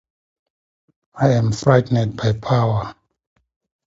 I am frightened by power.